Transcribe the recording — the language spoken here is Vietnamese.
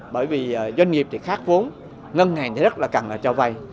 bởi vì doanh nghiệp thì khác vốn ngân hàng thì rất là cần cho vay